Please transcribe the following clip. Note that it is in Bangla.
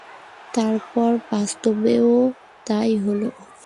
তারপর বাস্তবেও তাই হল।